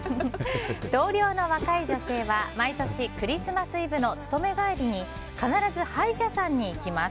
同僚の若い女性は毎年、クリスマスイブの勤め帰りに必ず歯医者さんに行きます。